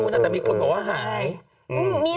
บางข้อตอบออกสื่อไม่ได้